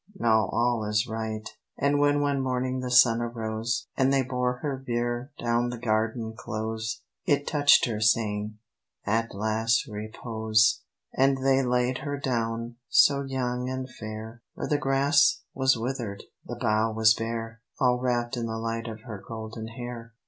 now all is right." And when one morning the sun arose, And they bore her bier down the garden close, It touched her, saying, "At last, repose." And they laid her down, so young and fair, Where the grass was withered, the bough was bare, All wrapped in the light of her golden hair....